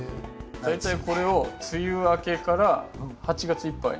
大体これを梅雨明けから８月いっぱい。